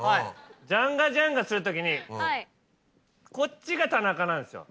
ジャンガジャンガするときにこっちが田中なんですよ。